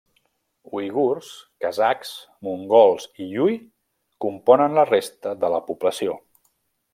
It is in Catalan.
Uigurs, kazakhs, mongols i hui componen la resta de la població.